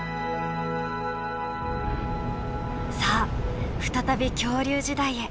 さあ再び恐竜時代へ。